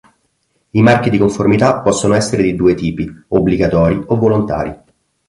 I marchi di conformità possono essere di due tipi: obbligatori o volontari.